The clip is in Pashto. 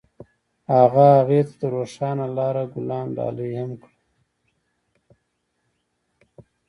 هغه هغې ته د روښانه لاره ګلان ډالۍ هم کړل.